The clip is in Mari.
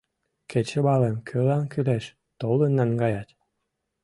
Кечывалым кӧлан кӱлеш — толын наҥгаят.